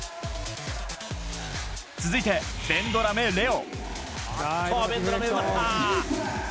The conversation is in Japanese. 続いてベンドラメ礼生。